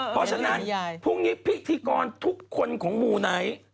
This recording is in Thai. เพราะฉะนั้นพรุ่งนี้พิธีกรทุกคนของหมู่ไหน